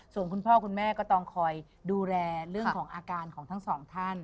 ส่วนคุณพ่อคุณแม่ก็ต้องคอยดูแลเรื่องของอาการของทั้งสองท่าน